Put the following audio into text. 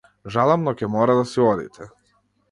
Жалам но ќе мора да си одите.